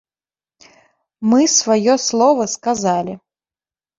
Мы сваё слова сказалі!